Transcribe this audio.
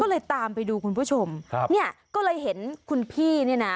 ก็เลยตามไปดูคุณผู้ชมครับเนี่ยก็เลยเห็นคุณพี่เนี่ยนะ